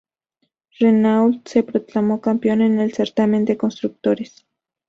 Renault se proclamó campeón en el certamen de constructores.